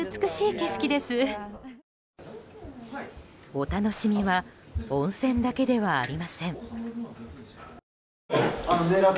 お楽しみは温泉だけではありません。